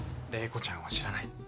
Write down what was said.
玲子ちゃんは知らない。